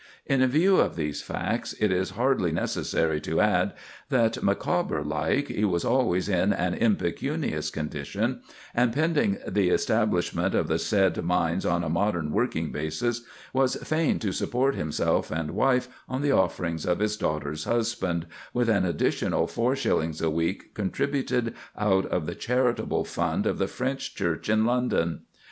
In view of these facts, it is hardly necessary to add that, Micawber like, he was always in an impecunious condition, and, pending the establishment of the said mines on a modern working basis, was fain to support himself and wife on the offerings of his daughter's husband, with an additional four shillings a week contributed out of the charitable fund of the French church in London.